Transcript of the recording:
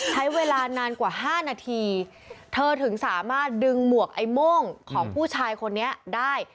ใช้เวลานานกว่า๕นาทีเธอถึงสามารถดึงหมวกไอ้โม่งของผู้ชายคนนี้ได้